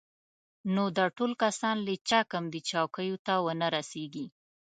نو دا ټول کسان له چا کم دي چې چوکیو ته ونه رسېږي.